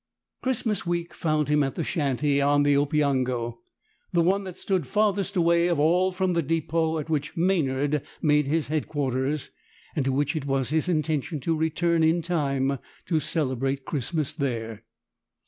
Christmas week found him at the shanty on the Opeongo—the one that stood farthest away of all from the depot at which Maynard made his headquarters, and to which it was his intention to return in time to celebrate Christmas there.